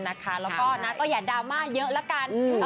และก็อย่าดราม่าเยอะละกัน